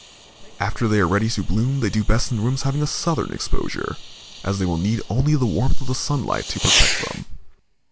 After they are ready to bloom they do best in rooms having a southern exposure, as they will need only the warmth of the sunlight to perfect them.